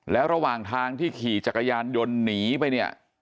แล้วระหว่างทางที่ขี่จักรยานยนต์หนีไปเนี่ย